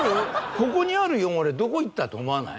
「ここにある汚れどこ行った？」と思わない？